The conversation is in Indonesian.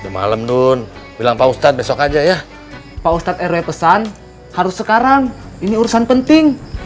malam nun bilang pak ustadz besok aja ya pak ustadz rw pesan harus sekarang ini urusan penting